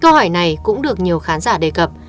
câu hỏi này cũng được nhiều khán giả đề cập